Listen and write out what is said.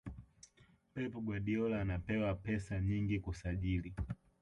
pep guardiola anapewa pesa nyingi kusajili